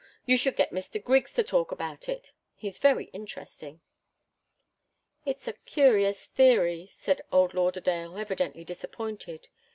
You should get Mr. Griggs to talk about it. He's very interesting." "It's a curious theory," said old Lauderdale, evidently disappointed.